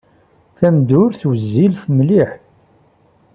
Tameddurt wezzilet mliḥ.